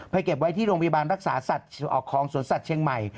เก็บไว้ที่โรงพยาบาลรักษาสัตว์ออกของสวนสัตว์เชียงใหม่